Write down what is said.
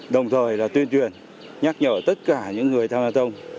đồng thời là tuyên truyền nhắc nhở tất cả những người tham gia thông